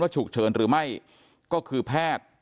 ฉุกเฉินหรือไม่ก็คือแพทย์